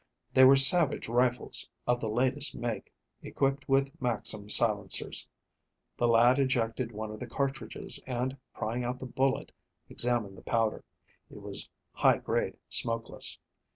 They were Savage rifles, of the latest make, equipped with Maxim silencers. The lad ejected one of the cartridges, and prying out the bullet, examined the powder. It was high grade smokeless.